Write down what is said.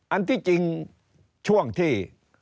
อันที่จริงช่วงที่